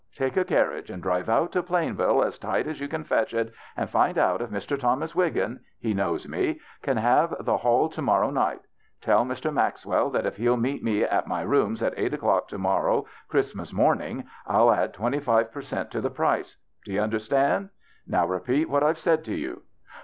Take a car riage and drive out to Plainville as tight as you can fetch it, and find out if Mr. Thomas Wiggin — he knows me — can have the hall to morrow night. Tell Mr. Maxwell that if he'll meet me at ni}^ rooms at eight o'clock to morrow, Christmas morning, I'll add twenty five per cent, to the price. Do you under stand ? Now repeat what I've said to you.